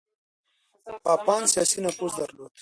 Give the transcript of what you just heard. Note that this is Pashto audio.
پاپان سياسي نفوذ درلود.